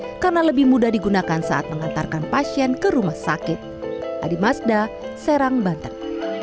karena lebih mudah digunakan saat mengantarkan pasien ke rumah sakit adi mazda serang banten